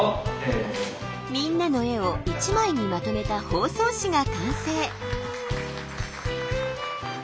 みんなの絵を一枚にまとめた包装紙が完成。